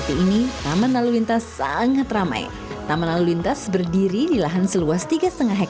taman wisata ikonek